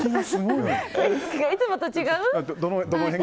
いつもと違う？